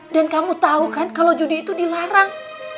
dan kamu tau kan kalau judi itu dilarang